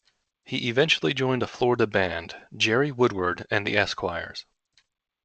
He eventually joined a Florida band, "Jerry Woodward and the Esquires".